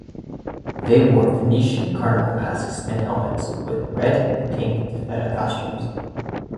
They wore Venetian carnival masks and helmets with red and pink taffeta costumes.